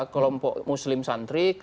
kelompok muslim santri